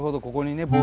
ここにね